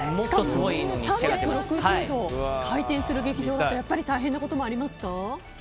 ３６０度回転する劇場だと大変なこともありますか？